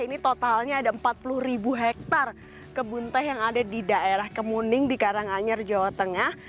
ini totalnya ada empat puluh ribu hektare kebun teh yang ada di daerah kemuning di karanganyar jawa tengah